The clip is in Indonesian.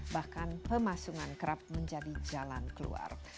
bahkan pemasungan kerap menjadi jalan keluar